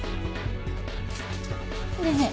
ねえねえ